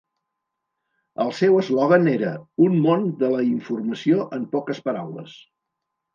El seu eslògan era "Un món de la informació en poques paraules".